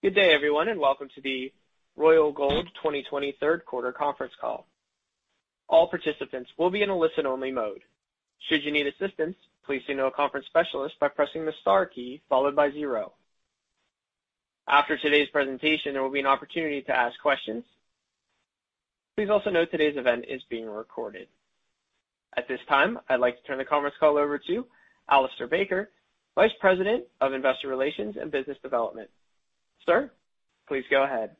Good day, everyone, and welcome to the Royal Gold 2020 Third Quarter Conference Call. All participants will be in a listen-only mode. Should you need assistance, please signal a conference specialist by pressing the star key followed by zero. After today's presentation, there will be an opportunity to ask questions. Please also note today's event is being recorded. At this time, I'd like to turn the conference call over to Alistair Baker, Vice President of Investor Relations and Business Development. Sir, please go ahead.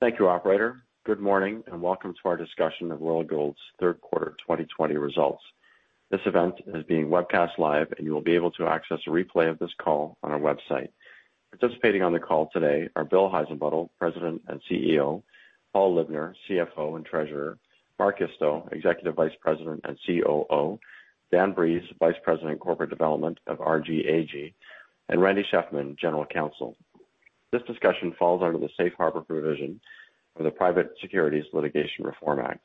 Thank you, operator. Good morning, and welcome to our discussion of Royal Gold's Third Quarter 2020 Results. This event is being webcast live, and you will be able to access a replay of this call on our website. Participating on the call today are Bill Heissenbuttel, President and CEO, Paul Libner, CFO and Treasurer, Mark Isto, Executive Vice President and COO, Dan Breeze, Vice President of Corporate Development of RG AG, and Randy Shefman, General Counsel. This discussion falls under the safe harbor provision of the Private Securities Litigation Reform Act.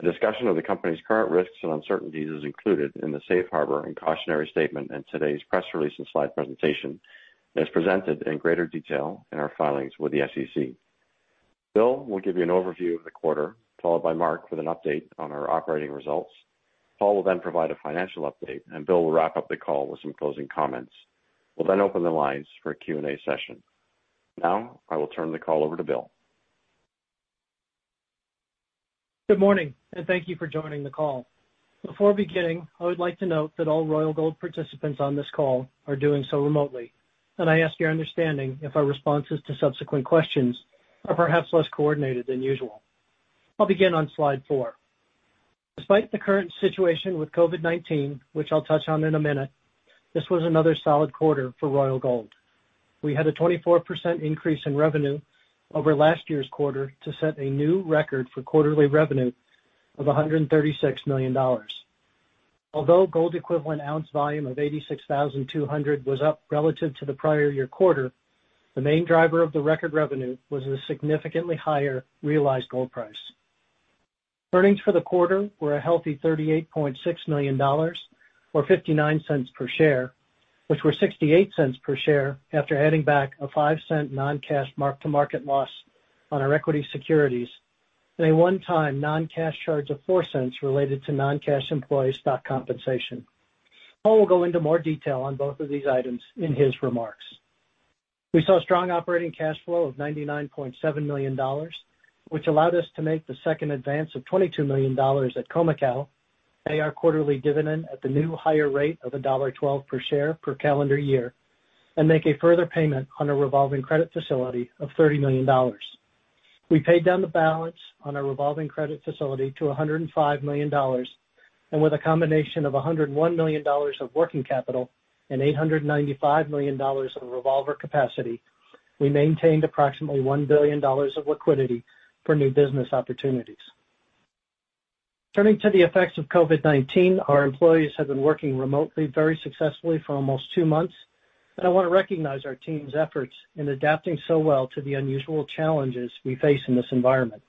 A discussion of the company's current risks and uncertainties is included in the safe harbor and cautionary statement in today's press release and slide presentation and is presented in greater detail in our filings with the SEC. Bill will give you an overview of the quarter, followed by Mark with an update on our operating results. Paul will then provide a financial update, and Bill will wrap up the call with some closing comments. We'll then open the lines for a Q&A session. Now, I will turn the call over to Bill. Good morning, and thank you for joining the call. Before beginning, I would like to note that all Royal Gold participants on this call are doing so remotely, and I ask your understanding if our responses to subsequent questions are perhaps less coordinated than usual. I'll begin on slide four. Despite the current situation with COVID-19, which I'll touch on in a minute, this was another solid quarter for Royal Gold. We had a 24% increase in revenue over last year's quarter to set a new record for quarterly revenue of $136 million. Although gold equivalent ounce volume of 86,200 was up relative to the prior year quarter, the main driver of the record revenue was the significantly higher realized gold price. Earnings for the quarter were a healthy $38.6 million, or $0.59 per share, which were $0.68 per share after adding back a $0.05 non-cash mark-to-market loss on our equity securities and a one-time non-cash charge of $0.04 related to non-cash employee stock compensation. Paul will go into more detail on both of these items in his remarks. We saw strong operating cash flow of $99.7 million, which allowed us to make the second advance of $22 million at Khoemacau, pay our quarterly dividend at the new higher rate of $1.12 per share per calendar year, and make a further payment on a revolving credit facility of $30 million. We paid down the balance on our revolving credit facility to $105 million. With a combination of $101 million of working capital and $895 million of revolver capacity, we maintained approximately $1 billion of liquidity for new business opportunities. Turning to the effects of COVID-19, our employees have been working remotely very successfully for almost two months, and I want to recognize our team's efforts in adapting so well to the unusual challenges we face in this environment.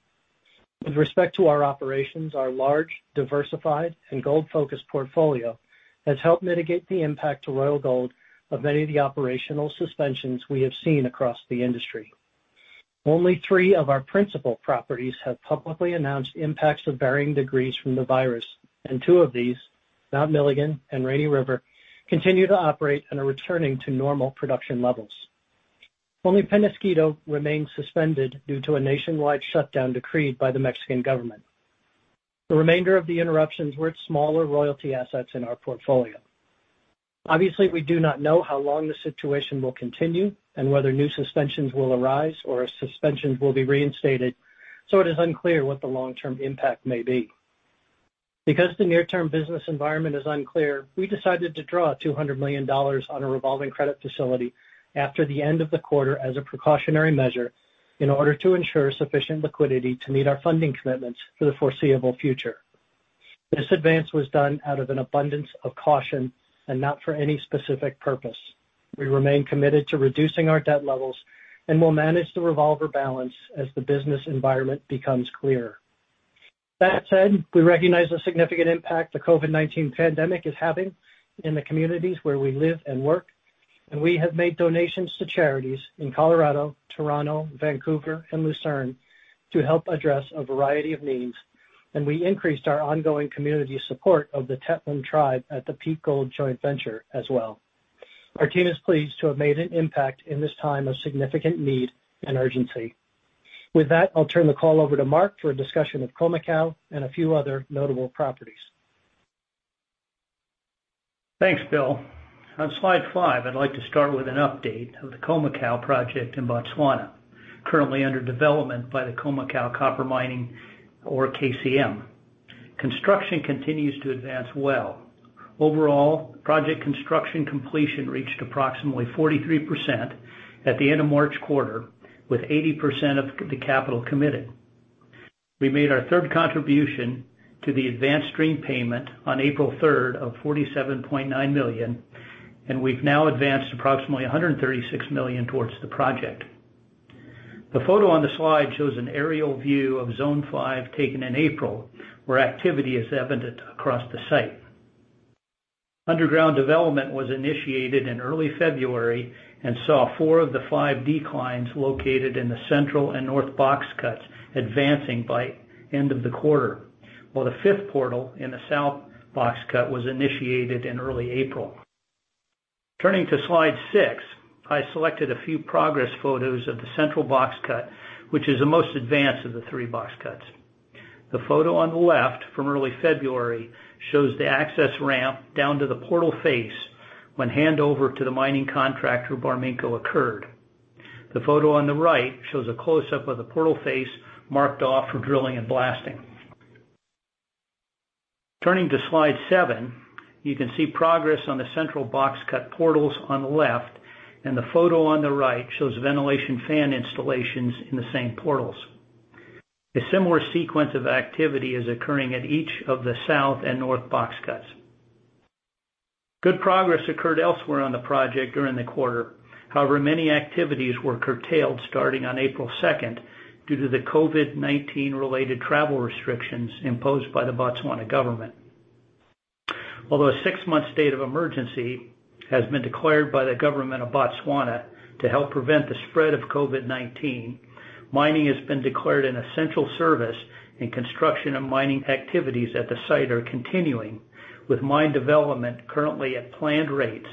With respect to our operations, our large, diversified, and gold-focused portfolio has helped mitigate the impact to Royal Gold of many of the operational suspensions we have seen across the industry. Only three of our principal properties have publicly announced impacts of varying degrees from the virus, and two of these, Mount Milligan and Rainy River, continue to operate and are returning to normal production levels. Only Peñasquito remains suspended due to a nationwide shutdown decreed by the Mexican government. The remainder of the interruptions were at smaller royalty assets in our portfolio. Obviously, we do not know how long the situation will continue and whether new suspensions will arise or suspensions will be reinstated, so it is unclear what the long-term impact may be. Because the near-term business environment is unclear, we decided to draw $200 million on a revolving credit facility after the end of the quarter as a precautionary measure in order to ensure sufficient liquidity to meet our funding commitments for the foreseeable future. This advance was done out of an abundance of caution and not for any specific purpose. We remain committed to reducing our debt levels and will manage the revolver balance as the business environment becomes clearer. That said, we recognize the significant impact the COVID-19 pandemic is having in the communities where we live and work, and we have made donations to charities in Colorado, Toronto, Vancouver, and Lucerne to help address a variety of needs, and we increased our ongoing community support of the Tetlin Tribe at the Peak Gold joint venture as well. Our team is pleased to have made an impact in this time of significant need and urgency. With that, I'll turn the call over to Mark for a discussion of Khoemacau and a few other notable properties. Thanks, Bill. On slide five, I'd like to start with an update of the Khoemacau project in Botswana, currently under development by the Khoemacau Copper Mining or KCM. Construction continues to advance well. Overall, project construction completion reached approximately 43% at the end of March quarter, with 80% of the capital committed. We made our third contribution to the advanced stream payment on April 3rd of $47.9 million, and we've now advanced approximately $136 million towards the project. The photo on the slide shows an aerial view of zone five taken in April, where activity is evident across the site. Underground development was initiated in early February and saw four of the five declines located in the central and north box cuts advancing by end of the quarter. While the fifth portal in the south box cut was initiated in early April. Turning to slide six, I selected a few progress photos of the central box cut, which is the most advanced of the three box cuts. The photo on the left from early February shows the access ramp down to the portal face when handover to the mining contractor, Barminco, occurred. The photo on the right shows a close-up of the portal face marked off for drilling and blasting. Turning to slide seven, you can see progress on the central box cut portals on the left, and the photo on the right shows ventilation fan installations in the same portals. A similar sequence of activity is occurring at each of the south and north box cuts. Good progress occurred elsewhere on the project during the quarter. However, many activities were curtailed starting on April 2nd, due to the COVID-19 related travel restrictions imposed by the Botswana government. Although a six-month state of emergency has been declared by the government of Botswana to help prevent the spread of COVID-19, mining has been declared an essential service, and construction of mining activities at the site are continuing, with mine development currently at planned rates,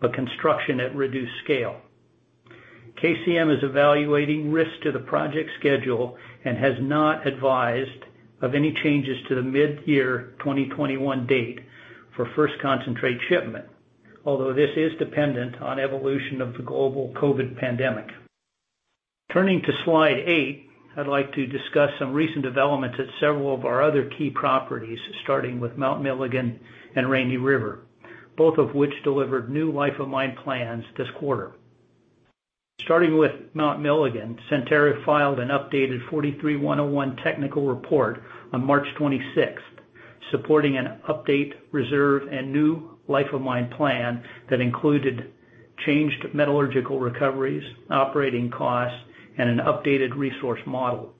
but construction at reduced scale. KCM is evaluating risks to the project schedule and has not advised of any changes to the mid-year 2021 date for first concentrate shipment, although this is dependent on evolution of the global COVID pandemic. Turning to slide eight, I'd like to discuss some recent developments at several of our other key properties, starting with Mount Milligan and Rainy River, both of which delivered new life of mine plans this quarter. Starting with Mount Milligan, Centerra filed an updated 43-101 technical report on March 26th, supporting an update reserve and new life of mine plan that included changed metallurgical recoveries, operating costs, and an updated resource model.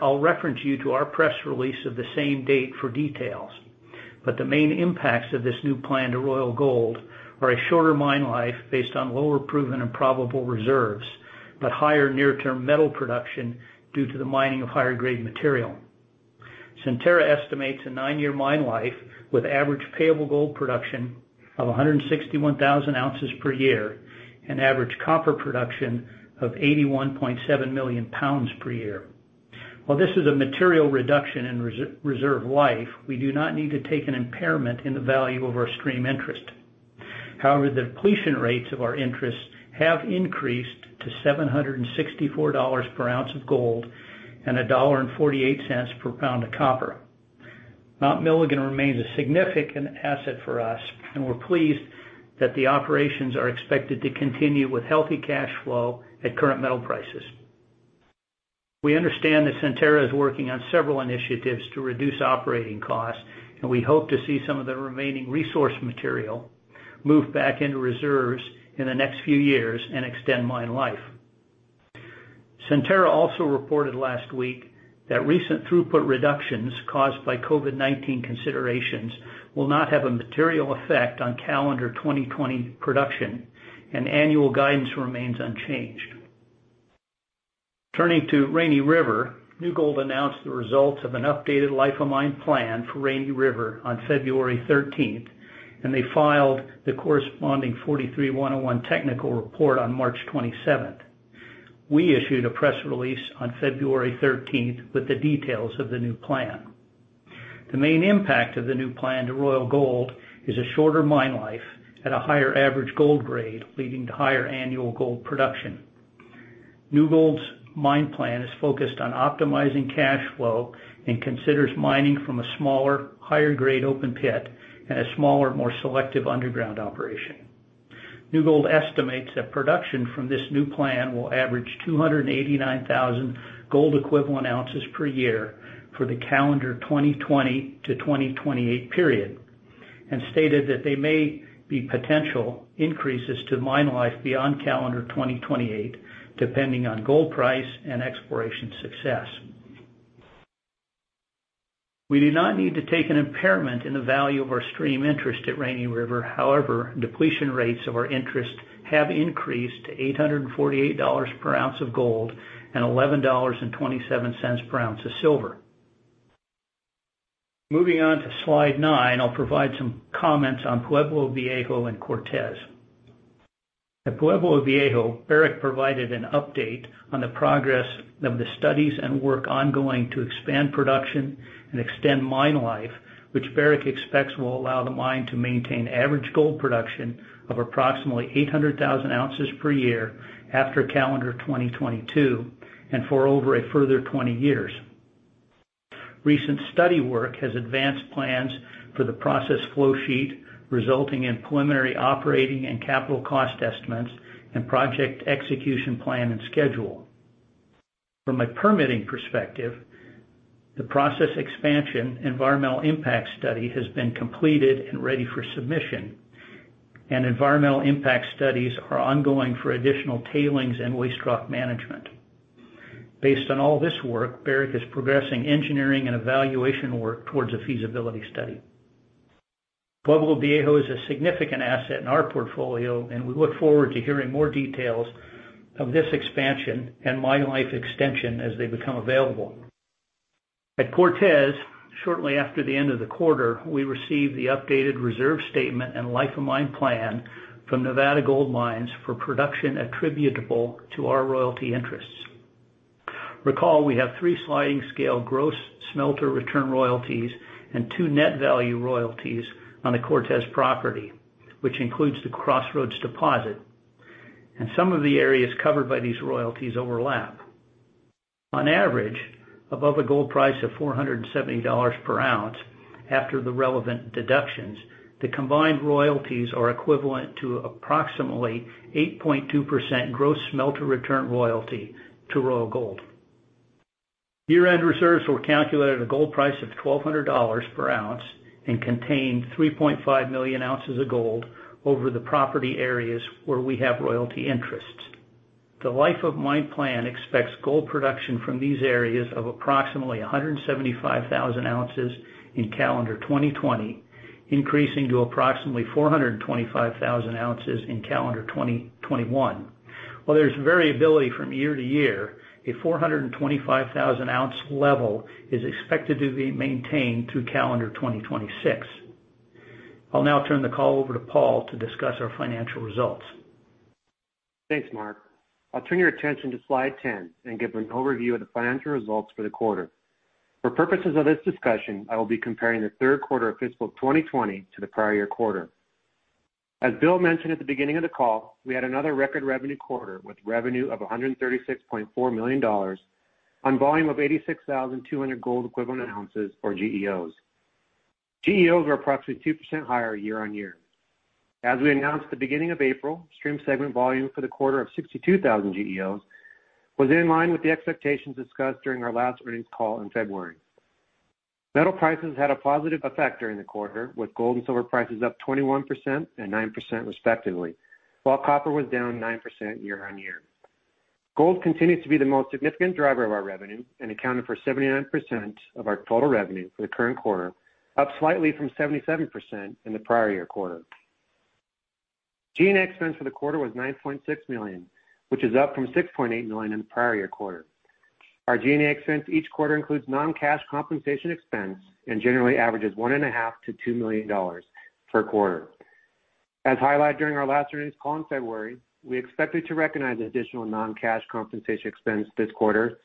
I'll reference you to our press release of the same date for details. The main impacts of this new plan to Royal Gold are a shorter mine life based on lower proven and probable reserves, but higher near-term metal production due to the mining of higher grade material. Centerra estimates a nine-year mine life with average payable gold production of 161,000 ounces per year and average copper production of 81.7 million pounds per year. While this is a material reduction in reserve life, we do not need to take an impairment in the value of our stream interest. However, the depletion rates of our interests have increased to $764 per ounce of gold and $1.48 per pound of copper. Mount Milligan remains a significant asset for us. We're pleased that the operations are expected to continue with healthy cash flow at current metal prices. We understand that Centerra is working on several initiatives to reduce operating costs. We hope to see some of the remaining resource material move back into reserves in the next few years and extend mine life. Centerra also reported last week that recent throughput reductions caused by COVID-19 considerations will not have a material effect on calendar 2020 production. Annual guidance remains unchanged. Turning to Rainy River, New Gold announced the results of an updated life of mine plan for Rainy River on February 13th. They filed the corresponding 43-101 technical report on March 27th. We issued a press release on February 13th with the details of the new plan. The main impact of the new plan to Royal Gold is a shorter mine life at a higher average gold grade, leading to higher annual gold production. New Gold's mine plan is focused on optimizing cash flow and considers mining from a smaller, higher grade open pit and a smaller, more selective underground operation. New Gold estimates that production from this new plan will average 289,000 gold equivalent ounces per year for the calendar 2020 to 2028 period, and stated that there may be potential increases to mine life beyond calendar 2028, depending on gold price and exploration success. We do not need to take an impairment in the value of our stream interest at Rainy River. However, depletion rates of our interest have increased to $848 per ounce of gold and $11.27 per ounce of silver. Moving on to slide nine, I'll provide some comments on Pueblo Viejo and Cortez. At Pueblo Viejo, Barrick provided an update on the progress of the studies and work ongoing to expand production and extend mine life, which Barrick expects will allow the mine to maintain average gold production of approximately 800,000 ounces per year after calendar 2022 and for over a further 20 years. Recent study work has advanced plans for the process flow sheet, resulting in preliminary operating and capital cost estimates and project execution plan and schedule. From a permitting perspective, the process expansion environmental impact study has been completed and ready for submission. Environmental impact studies are ongoing for additional tailings and waste rock management. Based on all this work, Barrick is progressing engineering and evaluation work towards a feasibility study. Pueblo Viejo is a significant asset in our portfolio. We look forward to hearing more details of this expansion and mine life extension as they become available. At Cortez, shortly after the end of the quarter, we received the updated reserve statement and life of mine plan from Nevada Gold Mines for production attributable to our royalty interests. Recall, we have three sliding scale gross smelter return royalties and two net value royalties on the Cortez property, which includes the Crossroads deposit, and some of the areas covered by these royalties overlap. On average, above a gold price of $470 per ounce after the relevant deductions, the combined royalties are equivalent to approximately 8.2% gross smelter return royalty to Royal Gold. Year-end reserves were calculated at a gold price of $1,200 per ounce and contained 3.5 million ounces of gold over the property areas where we have royalty interests. The life of mine plan expects gold production from these areas of approximately 175,000 ounces in calendar 2020, increasing to approximately 425,000 ounces in calendar 2021. While there's variability from year to year, a 425,000-ounce level is expected to be maintained through calendar 2026. I'll now turn the call over to Paul to discuss our financial results. Thanks, Mark. I'll turn your attention to slide 10 and give an overview of the financial results for the quarter. For purposes of this discussion, I will be comparing the third quarter of fiscal 2020 to the prior year quarter. As Bill mentioned at the beginning of the call, we had another record revenue quarter, with revenue of $136.4 million on volume of 86,200 gold equivalent ounces, or GEOs. GEOs were approximately 2% higher year-on-year. As we announced at the beginning of April, stream segment volume for the quarter of 62,000 GEOs was in line with the expectations discussed during our last earnings call in February. Metal prices had a positive effect during the quarter, with gold and silver prices up 21% and 9% respectively, while copper was down 9% year-on-year. Gold continued to be the most significant driver of our revenue and accounted for 79% of our total revenue for the current quarter, up slightly from 77% in the prior year quarter. G&A expense for the quarter was $9.6 million, which is up from $6.8 million in the prior year quarter. Our G&A expense each quarter includes non-cash compensation expense and generally averages $1.5 million to $2 million per quarter. As highlighted during our last earnings call in February, we expected to recognize additional non-cash compensation expense this quarter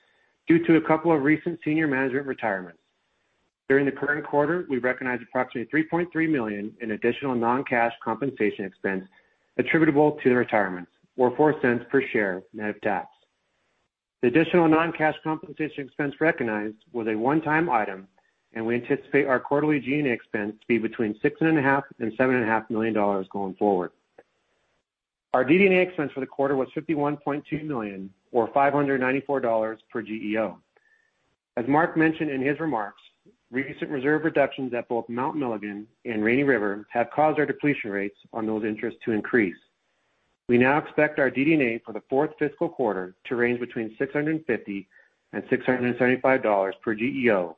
due to a couple of recent senior management retirements. During the current quarter, we recognized approximately $3.3 million in additional non-cash compensation expense attributable to the retirements, or $0.04 per share net of tax. The additional non-cash compensation expense recognized was a one-time item, and we anticipate our quarterly G&A expense to be between $6.5 million and $7.5 million going forward. Our DD&A expense for the quarter was $51.2 million, or $594 per GEO. As Mark mentioned in his remarks, recent reserve reductions at both Mount Milligan and Rainy River have caused our depletion rates on those interests to increase. We now expect our DD&A for the fourth fiscal quarter to range between $650 and $675 per GEO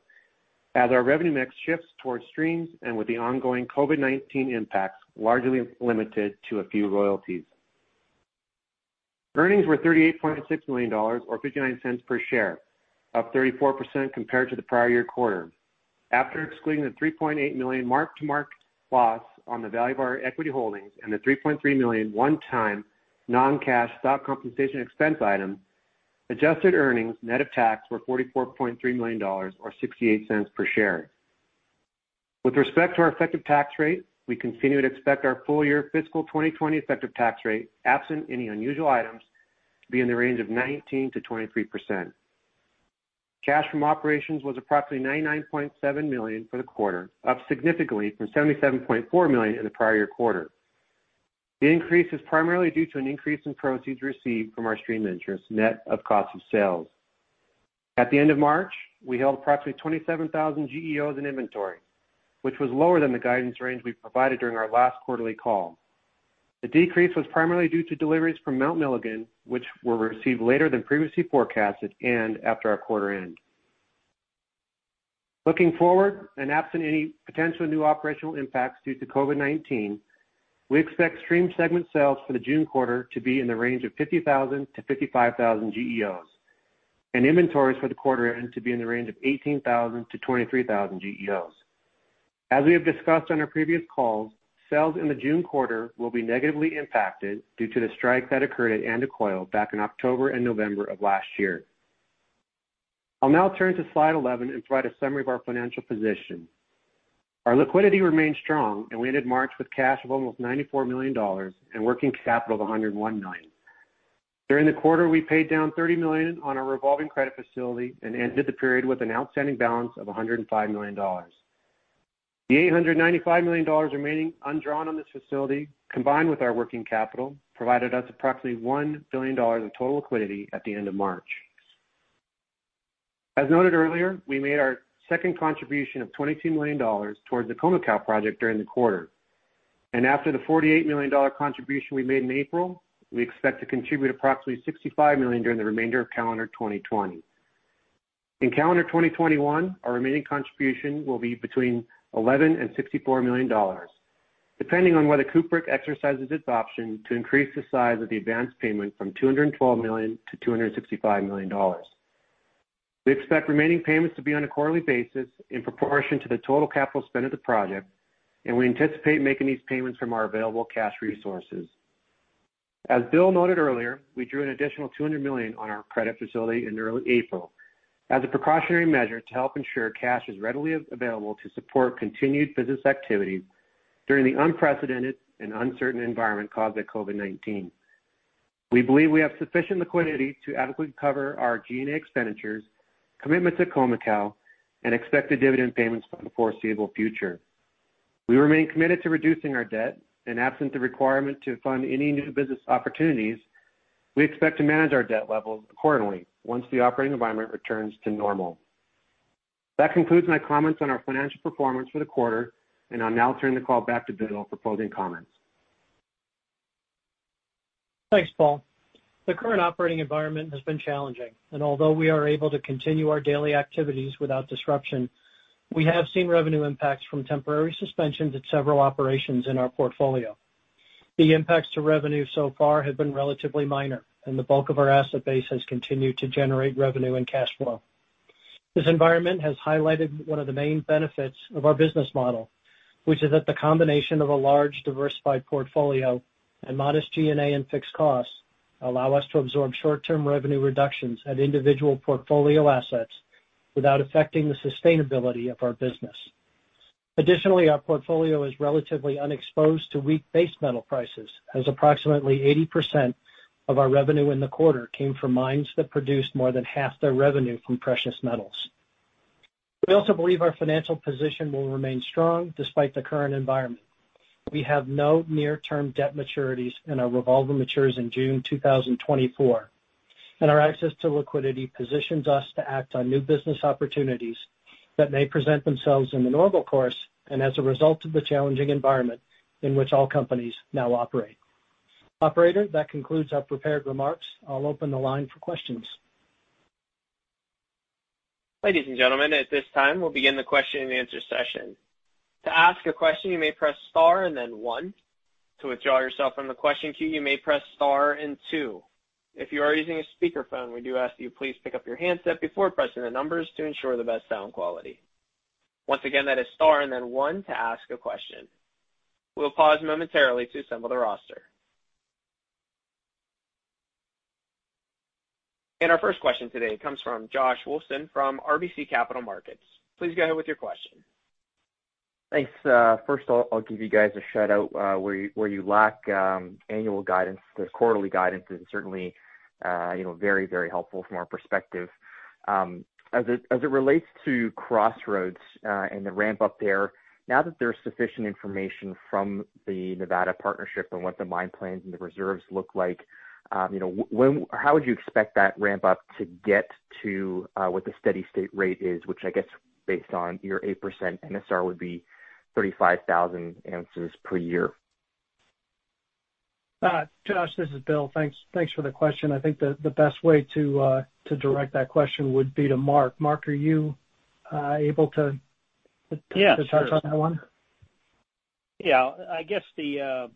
as our revenue mix shifts towards streams and with the ongoing COVID-19 impacts largely limited to a few royalties. Earnings were $38.6 million, or $0.59 per share, up 34% compared to the prior year quarter. After excluding the $3.8 million mark-to-market loss on the value of our equity holdings and the $3.3 million one-time non-cash stock compensation expense item, adjusted earnings net of tax were $44.3 million, or $0.68 per share. With respect to our effective tax rate, we continue to expect our full year fiscal 2020 effective tax rate, absent any unusual items, to be in the range of 19%-23%. Cash from operations was approximately $99.7 million for the quarter, up significantly from $77.4 million in the prior year quarter. The increase is primarily due to an increase in proceeds received from our stream interests, net of cost of sales. At the end of March, we held approximately 27,000 GEOs in inventory, which was lower than the guidance range we provided during our last quarterly call. The decrease was primarily due to deliveries from Mount Milligan, which were received later than previously forecasted and after our quarter end. Looking forward, absent any potential new operational impacts due to COVID-19, we expect stream segment sales for the June quarter to be in the range of $50,000-$55,000 GEOs and inventories for the quarter end to be in the range of $18,000-$23,000 GEOs. As we have discussed on our previous calls, sales in the June quarter will be negatively impacted due to the strike that occurred at Andacollo back in October and November of last year. I'll now turn to slide 11 and provide a summary of our financial position. Our liquidity remains strong, and we ended March with cash of almost $94 million and working capital of $101 million. During the quarter, we paid down $30 million on our revolving credit facility and ended the period with an outstanding balance of $105 million. The $895 million remaining undrawn on this facility, combined with our working capital, provided us approximately $1 billion in total liquidity at the end of March. As noted earlier, we made our second contribution of $22 million towards the Khoemacau project during the quarter, and after the $48 million contribution we made in April, we expect to contribute approximately $65 million during the remainder of calendar 2020. In calendar 2021, our remaining contribution will be between $11 million and $64 million, depending on whether Cupric exercises its option to increase the size of the advance payment from $212 million to $265 million. We expect remaining payments to be on a quarterly basis in proportion to the total capital spend of the project. We anticipate making these payments from our available cash resources. As Bill noted earlier, we drew an additional $200 million on our credit facility in early April as a precautionary measure to help ensure cash is readily available to support continued business activity during the unprecedented and uncertain environment caused by COVID-19. We believe we have sufficient liquidity to adequately cover our G&A expenditures, commitments to Khoemacau, and expected dividend payments for the foreseeable future. We remain committed to reducing our debt. Absent the requirement to fund any new business opportunities, we expect to manage our debt levels accordingly once the operating environment returns to normal. That concludes my comments on our financial performance for the quarter, and I'll now turn the call back to Bill for closing comments. Thanks, Paul. The current operating environment has been challenging. Although we are able to continue our daily activities without disruption, we have seen revenue impacts from temporary suspensions at several operations in our portfolio. The impacts to revenue so far have been relatively minor, the bulk of our asset base has continued to generate revenue and cash flow. This environment has highlighted one of the main benefits of our business model, which is that the combination of a large diversified portfolio and modest G&A and fixed costs allow us to absorb short-term revenue reductions at individual portfolio assets without affecting the sustainability of our business. Our portfolio is relatively unexposed to weak base metal prices, as approximately 80% of our revenue in the quarter came from mines that produced more than half their revenue from precious metals. We also believe our financial position will remain strong despite the current environment. We have no near-term debt maturities, and our revolver matures in June 2024, and our access to liquidity positions us to act on new business opportunities that may present themselves in the normal course and as a result of the challenging environment in which all companies now operate. Operator, that concludes our prepared remarks. I'll open the line for questions. Ladies and gentlemen, at this time, we'll begin the question and answer session. To ask a question, you may press star and then one. To withdraw yourself from the question queue, you may press star and two. If you are using a speakerphone, we do ask that you please pick up your handset before pressing the numbers to ensure the best sound quality. Once again, that is star and then one to ask a question. We'll pause momentarily to assemble the roster. Our first question today comes from Josh Wolfson from RBC Capital Markets. Please go ahead with your question. Thanks. First of all, I'll give you guys a shout-out. Where you lack annual guidance, the quarterly guidance is certainly very helpful from our perspective. As it relates to Crossroads, and the ramp up there, now that there's sufficient information from the Nevada Gold Mines partnership on what the mine plans and the reserves look like, how would you expect that ramp up to get to, what the steady state rate is, which I guess based on your 8% NSR would be 35,000 ounces per year? Josh, this is Bill. Thanks for the question. I think the best way to direct that question would be to Mark. Mark, are you able to? Yes. To touch on that one? I guess the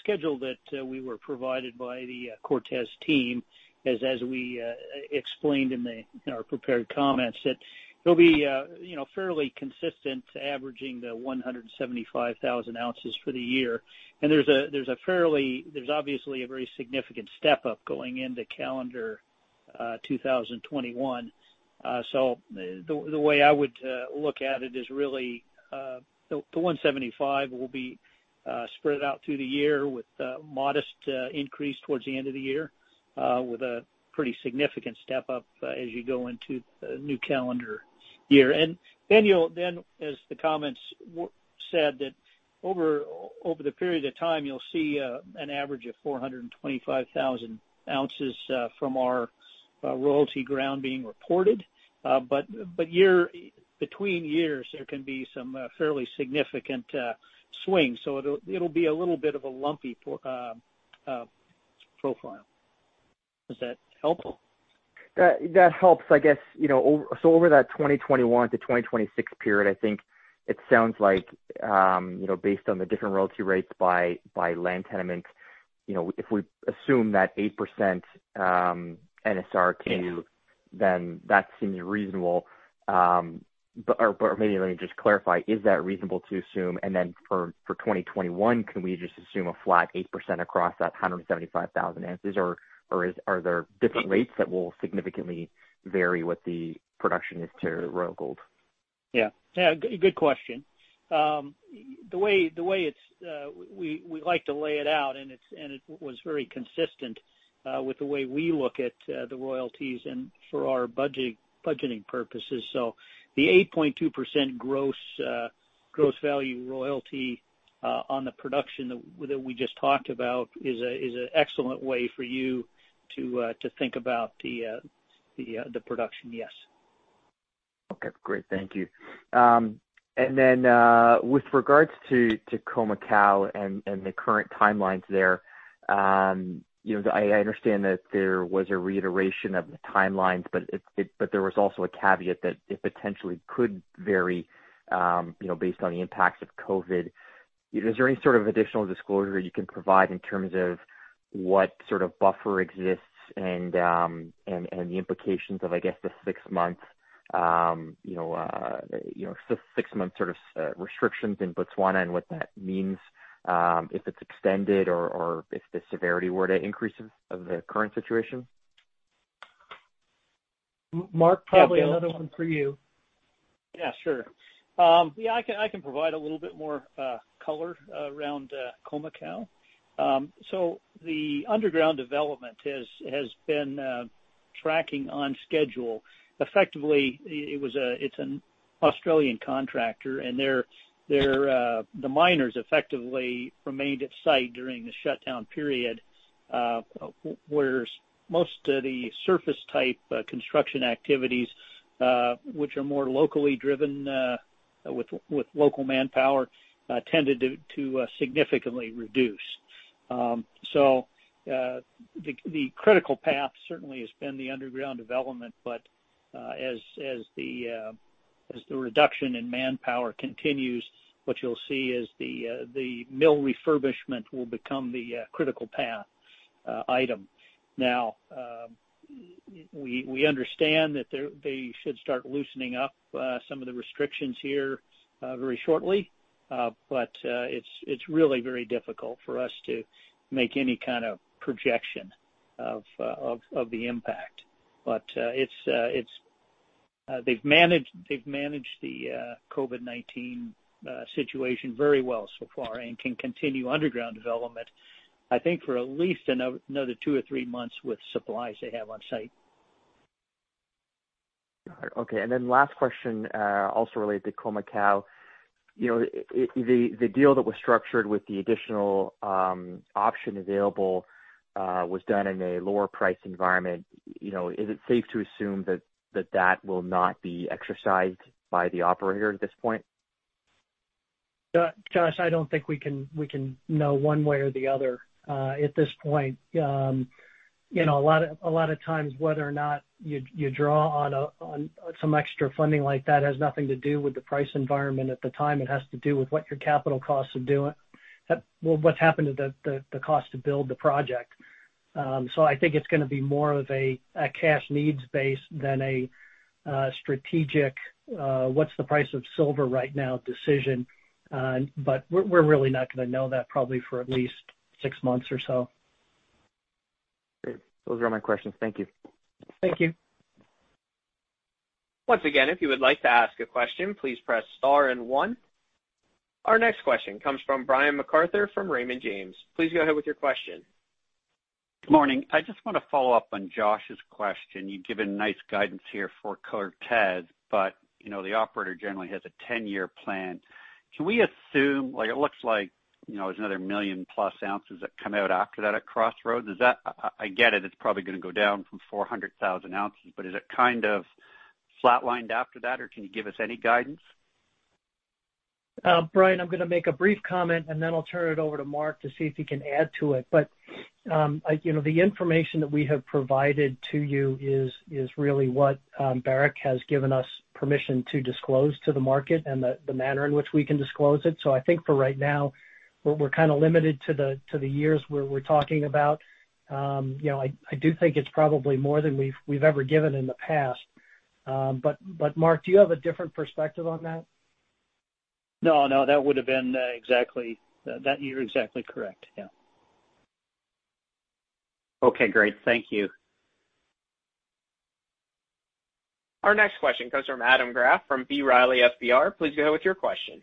schedule that we were provided by the Cortez team is as we explained in our prepared comments, that it'll be fairly consistent, averaging the 175,000 ounces for the year. There's obviously a very significant step up going into calendar 2021. The way I would look at it is really the 175,000 ounces will be spread out through the year with a modest increase towards the end of the year, with a pretty significant step up as you go into the new calendar year. As the comments said, that over the period of time, you'll see an average of 425,000 ounces from our royalty ground being reported. Between years, there can be some fairly significant swings. It'll be a little bit of a lumpy profile. Is that helpful? That helps. I guess, over that 2021-2026 period, I think it sounds like, based on the different royalty rates by land tenements, if we assume that 8% NSR too, then that seems reasonable. Maybe let me just clarify, is that reasonable to assume? Then for 2021, can we just assume a flat 8% across that 175,000 ounces, or are there different rates that will significantly vary what the production is to Royal Gold? Yeah. Good question. The way we like to lay it out, and it was very consistent with the way we look at the royalties and for our budgeting purposes. The 8.2% gross value royalty on the production that we just talked about is an excellent way for you to think about the production. Yes. Okay, great. Thank you. With regards to Khoemacau and the current timelines there, I understand that there was a reiteration of the timelines, but there was also a caveat that it potentially could vary based on the impacts of COVID. Is there any sort of additional disclosure you can provide in terms of what sort of buffer exists and the implications of, I guess, the six months sort of restrictions in Botswana and what that means, if it's extended or if the severity were to increase of the current situation? Mark, probably another one for you. Sure. I can provide a little bit more color around Khoemacau. The underground development has been tracking on schedule. Effectively, it's an Australian contractor, and the miners effectively remained at site during the shutdown period, whereas most of the surface-type construction activities, which are more locally driven with local manpower, tended to significantly reduce. The critical path certainly has been the underground development, as the reduction in manpower continues, what you'll see is the mill refurbishment will become the critical path item. We understand that they should start loosening up some of the restrictions here very shortly. It's really very difficult for us to make any kind of projection of the impact. They've managed the COVID-19 situation very well so far and can continue underground development, I think, for at least another two or three months with supplies they have on site. Got it. Okay. Last question, also related to Khoemacau. The deal that was structured with the additional option available was done in a lower price environment. Is it safe to assume that that will not be exercised by the operator at this point? Josh, I don't think we can know one way or the other at this point. A lot of times, whether or not you draw on some extra funding like that has nothing to do with the price environment at the time. It has to do with what your capital costs are doing. Well, what's happened to the cost to build the project. I think it's going to be more of a cash needs base than a strategic "what's the price of silver right now?" decision. We're really not going to know that probably for at least six months or so. Great. Those are all my questions. Thank you. Thank you. Once again, if you would like to ask a question, please press star and one. Our next question comes from Brian MacArthur from Raymond James. Please go ahead with your question. Good morning. I just want to follow up on Josh's question. You've given nice guidance here for Cortez. The operator generally has a 10-year plan. Can we assume it looks like there's another million plus ounces that come out after that at Crossroads? I get it's probably going to go down from 400,000 ounces. Is it kind of flatlined after that, or can you give us any guidance? Brian, I'm going to make a brief comment, then I'll turn it over to Mark to see if he can add to it. The information that we have provided to you is really what Barrick has given us permission to disclose to the market and the manner in which we can disclose it. I think for right now, we're kind of limited to the years where we're talking about. I do think it's probably more than we've ever given in the past. Mark, do you have a different perspective on that? No, that year exactly correct. Yeah. Okay, great. Thank you. Our next question comes from Adam Graf from B. Riley FBR. Please go ahead with your question.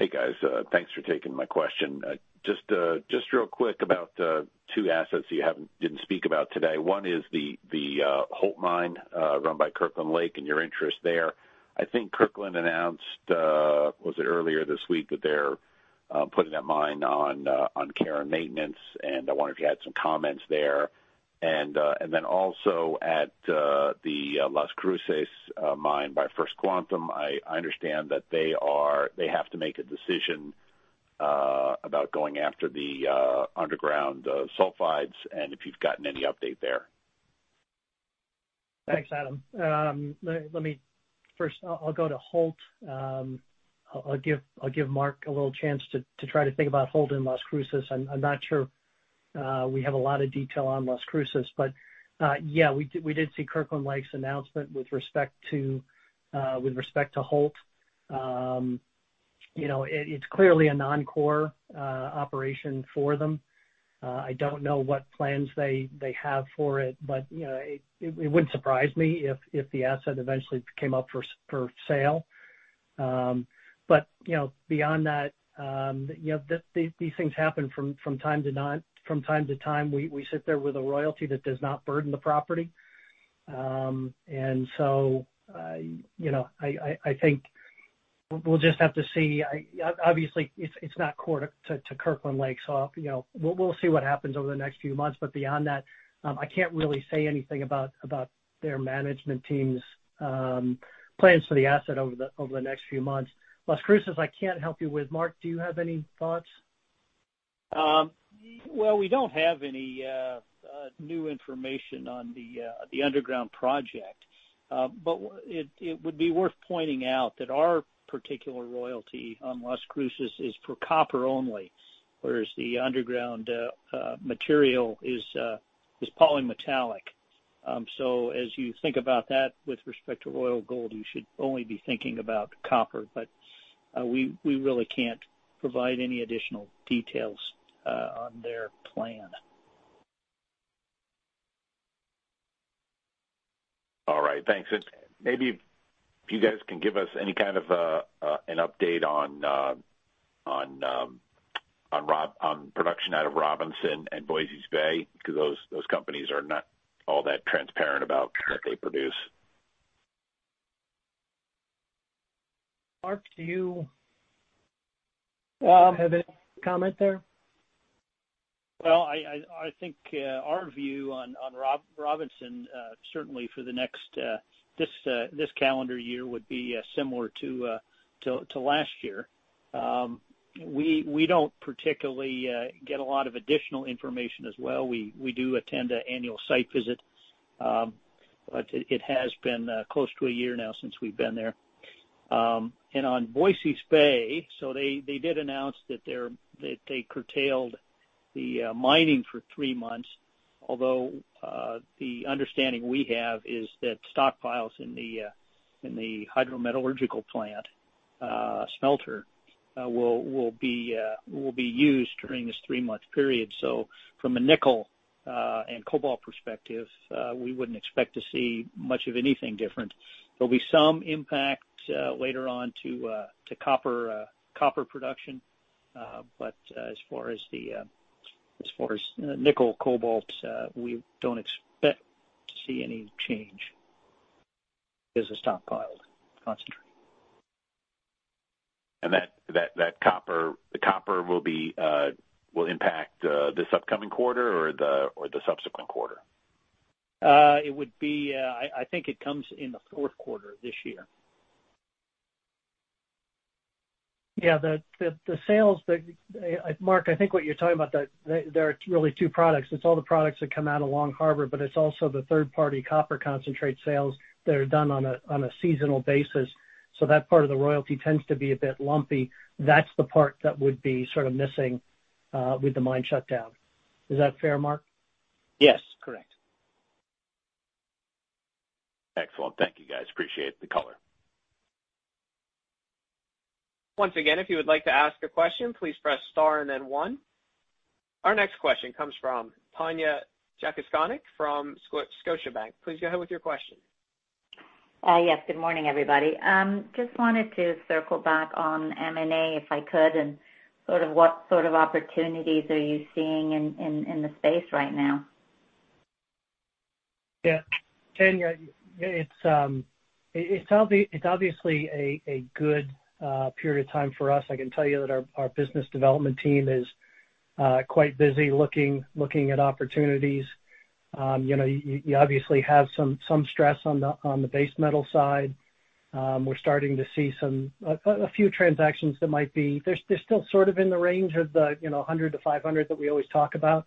Hey, guys. Thanks for taking my question. Just real quick about two assets you didn't speak about today. One is the Holt mine run by Kirkland Lake and your interest there. I think Kirkland announced, was it earlier this week, that they're putting that mine on care and maintenance. I wonder if you had some comments there. Also at the Las Cruces mine by First Quantum, I understand that they have to make a decision about going after the underground sulfides if you've gotten any update there. Thanks, Adam. First, I'll go to Holt. I'll give Mark a little chance to try to think about Holt and Las Cruces. I'm not sure we have a lot of detail on Las Cruces. Yeah, we did see Kirkland Lake's announcement with respect to Holt. It's clearly a non-core operation for them. I don't know what plans they have for it, but it wouldn't surprise me if the asset eventually came up for sale. Beyond that, these things happen from time to time. We sit there with a royalty that does not burden the property. I think we'll just have to see. Obviously, it's not core to Kirkland Lake, so we'll see what happens over the next few months, but beyond that, I can't really say anything about their management team's plans for the asset over the next few months. Las Cruces, I can't help you with. Mark, do you have any thoughts? We don't have any new information on the underground project. It would be worth pointing out that our particular royalty on Las Cruces is for copper only, whereas the underground material is polymetallic. As you think about that with respect to Royal Gold, you should only be thinking about copper. We really can't provide any additional details on their plan. All right. Thanks. Maybe if you guys can give us any kind of an update on production out of Robinson and Voisey's Bay, because those companies are not all that transparent about what they produce. Mark, do you have any comment there? I think our view on Robinson, certainly for this calendar year, would be similar to last year. We don't particularly get a lot of additional information as well. We do attend an annual site visit, but it has been close to a year now since we've been there. On Voisey's Bay, they did announce that they curtailed the mining for three months, although the understanding we have is that stockpiles in the hydrometallurgical plant smelter will be used during this three-month period. From a nickel and cobalt perspective, we wouldn't expect to see much of anything different. There'll be some impact later on to copper production. As far as nickel, cobalt, we don't expect to see any change. There's a stockpile concentrate. The copper will impact this upcoming quarter or the subsequent quarter? I think it comes in the fourth quarter this year. Mark, I think what you're talking about, there are really two products. It's all the products that come out of Long Harbor, but it's also the third-party copper concentrate sales that are done on a seasonal basis. That part of the royalty tends to be a bit lumpy. That's the part that would be sort of missing with the mine shut down. Is that fair, Mark? Yes, correct. Excellent. Thank you guys. Appreciate the color. Once again, if you would like to ask a question, please press star and then one. Our next question comes from Tanya Jakusconek from Scotiabank. Please go ahead with your question. Yes. Good morning, everybody. Just wanted to circle back on M&A, if I could. What sort of opportunities are you seeing in the space right now? Tanya, it's obviously a good period of time for us. I can tell you that our business development team is quite busy looking at opportunities. You obviously have some stress on the base metal side. We're starting to see a few transactions that they're still sort of in the range of the 100-500 that we always talk about,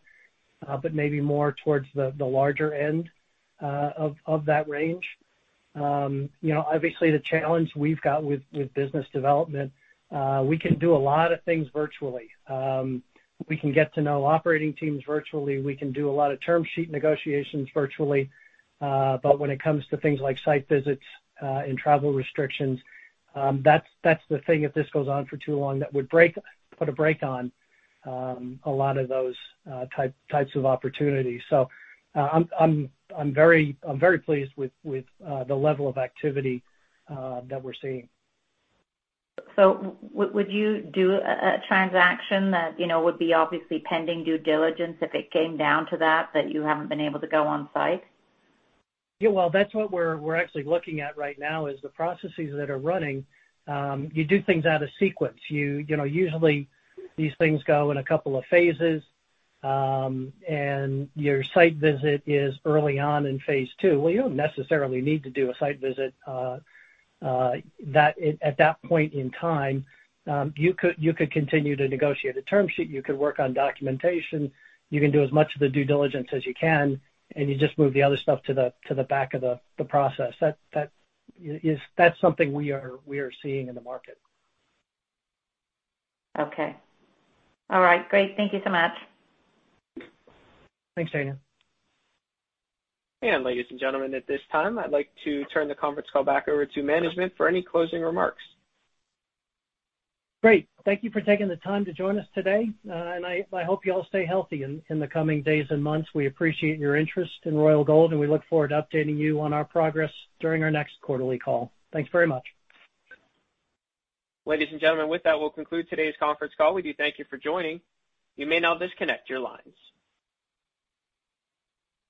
but maybe more towards the larger end of that range. Obviously, the challenge we've got with business development, we can do a lot of things virtually. We can get to know operating teams virtually. We can do a lot of term sheet negotiations virtually. When it comes to things like site visits and travel restrictions, that's the thing, if this goes on for too long, that would put a brake on a lot of those types of opportunities. I'm very pleased with the level of activity that we're seeing. Would you do a transaction that would be obviously pending due diligence if it came down to that you haven't been able to go on site? Well, that's what we're actually looking at right now, is the processes that are running, you do things out of sequence. Usually, these things go in a couple of phases, and your site visit is early on in phase II. Well, you don't necessarily need to do a site visit at that point in time. You could continue to negotiate a term sheet. You could work on documentation. You can do as much of the due diligence as you can, and you just move the other stuff to the back of the process. That's something we are seeing in the market. Okay. All right, great. Thank you so much. Thanks, Tanya. Ladies and gentlemen, at this time, I'd like to turn the conference call back over to management for any closing remarks. Great. Thank you for taking the time to join us today, and I hope you all stay healthy in the coming days and months. We appreciate your interest in Royal Gold, and we look forward to updating you on our progress during our next quarterly call. Thanks very much. Ladies and gentlemen, with that, we will conclude today's conference call. We do thank you for joining. You may now disconnect your lines.